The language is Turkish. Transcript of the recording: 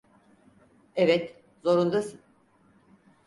Evet, zorundasın.